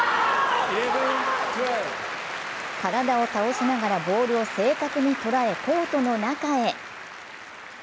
体を倒しながらボールを正確に捉え、コートの中へ。